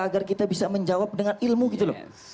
agar kita bisa menjawab dengan ilmu gitu loh